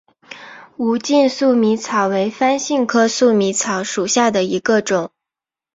无茎粟米草为番杏科粟米草属下的一个种。